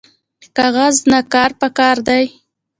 کاغذ نه کار پکار دی